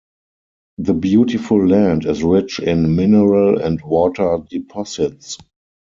The beautiful land is rich in mineral and water deposits.